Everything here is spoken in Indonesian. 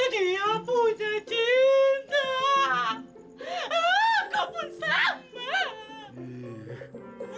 dia punya cinta